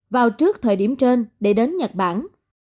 vào trước thời điểm trên để đến nhật bản